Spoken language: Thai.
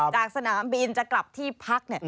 จากสนามบินจะกลับที่พัก